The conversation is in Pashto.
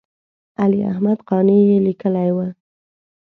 علي احمد قانع یې لیکلی و.